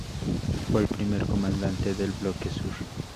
Fue el primer comandante del Bloque Sur.